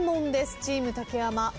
チーム竹山。